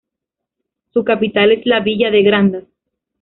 Su capital es la villa de Grandas.